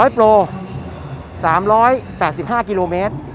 โปร๓๘๕กิโลเมตร